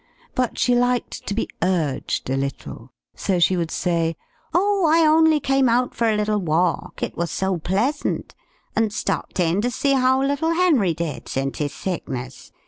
But she liked to be urged a little, so she would say, "O, I only came out for a little walk, it was so pleasant, and stopped in to see how little Henry did, since his sickness.